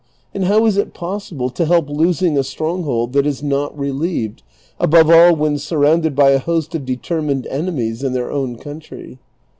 And how is it possible to help losing a strong hold that is not relieved, above all when surrounded by a host of determined enemies in their own country